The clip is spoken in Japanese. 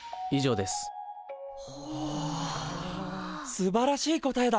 すばらしい答えだ。